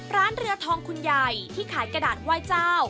ร้านเรือทองคุณใหญ่ที่ขายกระดาษไหว้เจ้า